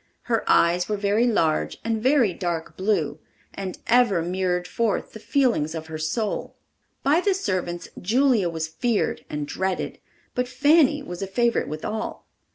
Her eyes were very large and very dark blue, and ever mirrored forth the feelings of her soul. By the servants Julia was feared and dreaded; but Fanny was a favorite with all.